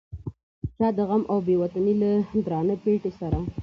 چا د غم او بې وطنۍ له درانه پیټي سره.